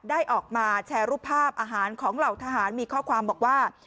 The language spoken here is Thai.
ได้ออกมาแชร์รูปภาพอาหารของเหล่าทหารมีข้อความบอกว่า